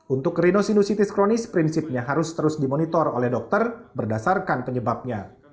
untuk rhinosinusitis kronis prinsipnya harus terus dimonitor oleh dokter berdasarkan penyebabnya